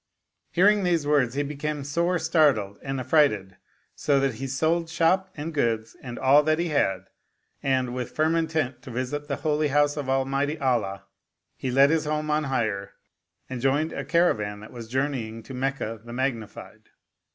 " Hearing these words he became sore startled and affrighted, so that he sold shop and goods and all that he had ; and, with firm intent to visit the Holy House of Almighty Allah, he let his home on hire and joined a caravan that was journeying to Meccah the Magnified.